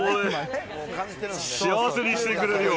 幸せにしてくれるよ。